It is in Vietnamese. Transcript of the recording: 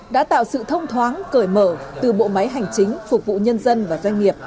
đã tạo sự thông thoáng cởi mở từ bộ máy hành chính phục vụ nhân dân và doanh nghiệp